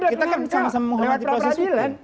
kita kan sama sama menghormati proses hukum